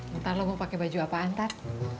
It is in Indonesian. ntar lo mau pake baju apaan tar